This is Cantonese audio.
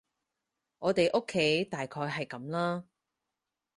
我哋屋企大概係噉啦